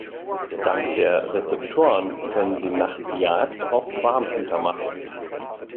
Dank der Rezeptoren können sie nachts Jagd auf Warmblüter machen.